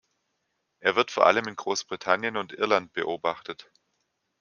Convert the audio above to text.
Er wird vor allem in Großbritannien und Irland beobachtet.